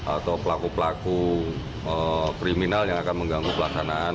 atau pelaku pelaku kriminal yang akan mengganggu pelaksanaan